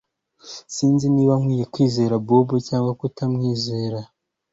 Sinzi niba nkwiye kwizera Bobo cyangwa kutizera